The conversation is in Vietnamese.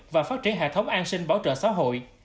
và phát triển hệ thống an sinh bảo trợ xã hội